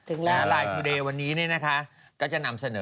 เอาพอเราเข้าไปในแอปพลิเคชันไลน์